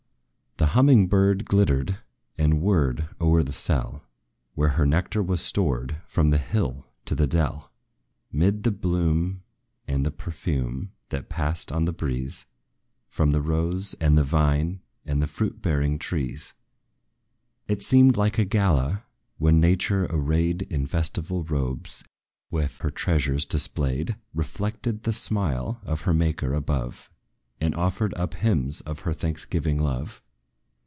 The humming bird glittered, and whirred o'er the cell, Where her nectar was stored, from the hill to the dell; 'Mid the bloom and the perfume, that passed on the breeze, From the rose, and the vine, and the fruit bearing trees. It seemed like a gala, when Nature, arrayed In festival robes, with her treasures displayed, Reflected the smile of her Maker above, And offered up hymns of her thanksgiving love.